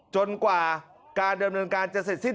จนกว่าการเดิมเนินการจะเสร็จสิ้น